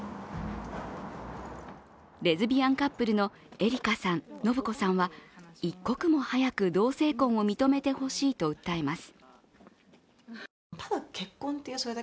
レズビアンカップルのエリカさん、信子さんは一刻も早く同性婚を認めてほしいと訴えます。